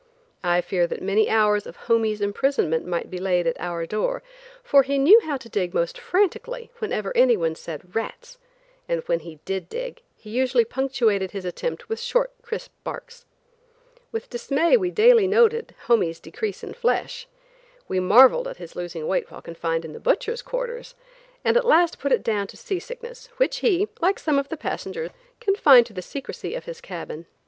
I fear that many hours of "Homie's" imprisonment might be laid at our door, for he knew how to dig most frantically when anyone said, "Rats," and when he did dig, he usually punctuated his attempt with short, crisp barks. With dismay we daily noted "Homie's" decrease in flesh. We marveled at his losing weight while confined in the butcher's quarters, and at last put it down to sea sickness, which he, like some of the passengers, confined to the secrecy of his cabin.